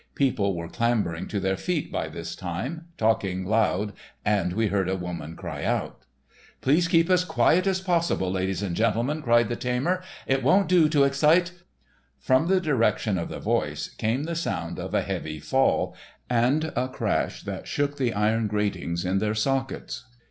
People were clambering to their feet by this time, talking loud, and we heard a woman cry out. "Please keep as quiet as possible, ladies and gentlemen!" cried the tamer; "it won't do to excite—" From the direction of the voice came the sound of a heavy fall and a crash that shook the iron gratings in their sockets.